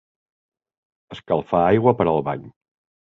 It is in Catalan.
Escalfar aigua per al bany.